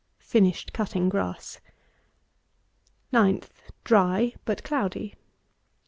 Finished cutting grass. 9th. Dry but cloudy.